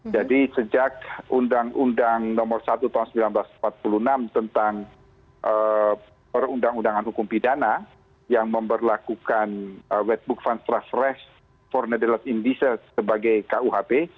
jadi sejak undang undang nomor satu tahun seribu sembilan ratus empat puluh enam tentang perundang undangan hukum pidana yang memperlakukan wetbook funds refresh for netherlands indonesia sebagai kuhp